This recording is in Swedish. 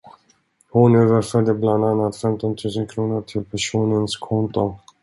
Hon överförde bland annat femton tusen kronor till personens konto.